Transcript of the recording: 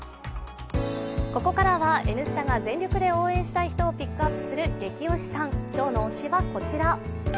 ここからは「Ｎスタ」が全力で応援したい人をピックアップする「ゲキ推しさん」、今日の推しはこちら。